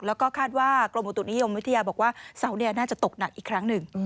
แล้วก็คาดว่ากรมอุตุนิยมวิทยาบอกว่าเสาเนี่ยน่าจะตกหนักอีกครั้งหนึ่ง